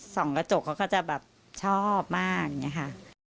สองกระจกเขาก็จะแบบชอบมากอย่างนี้ค่ะ